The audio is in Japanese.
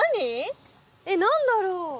えっ何だろう。